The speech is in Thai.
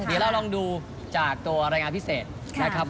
เดี๋ยวเราลองดูจากตัวรายงานพิเศษนะครับ